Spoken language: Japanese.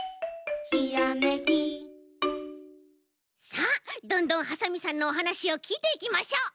さあどんどんハサミさんのおはなしをきいていきましょう。